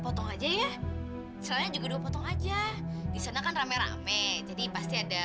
potong aja ya soalnya juga dua potong aja di sana kan rame rame jadi pasti ada